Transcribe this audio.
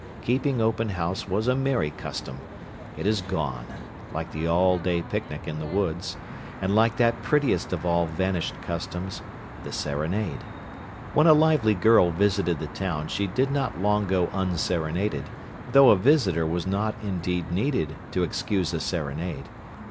"Keeping Open House" was a merry custom; it has gone, like the all day picnic in the woods, and like that prettiest of all vanished customs, the serenade. When a lively girl visited the town she did not long go unserenaded, though a visitor was not indeed needed to excuse a serenade.